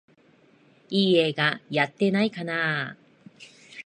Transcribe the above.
いい映画やってないかなあ